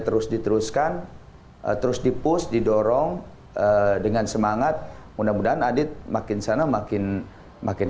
terus diturutkan terus dipus didorong dengan semangat mudah mudahan adip makin sana makin makin